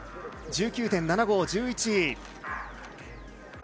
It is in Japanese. １９．７５、１１位。